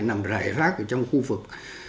nằm rải rác trong khu vực